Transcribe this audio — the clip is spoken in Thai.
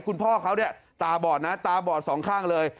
คุณพ่อเขาเนี่ยตาบอดนะตาบอดสองข้างเลย